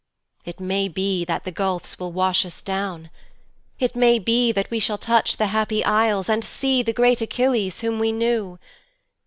It may be that the gulfs will wash us down:It may be we shall touch the Happy Isles, And see the great Achilles, whom we knew.